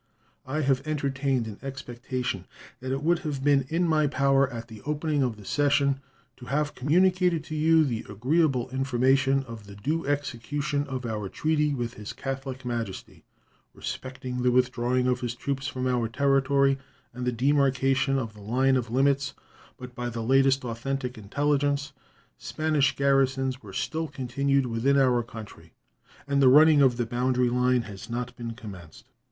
I have entertained an expectation that it would have been in my power at the opening of this session to have communicated to you the agreeable information of the due execution of our treaty with His Catholic Majesty respecting the withdrawing of his troops from our territory and the demarcation of the line of limits, but by the latest authentic intelligence Spanish garrisons were still continued within our country, and the running of the boundary line had not been commenced.